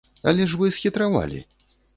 Але ж вы схітравалі!